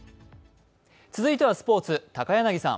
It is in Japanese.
続いてはスポーツ。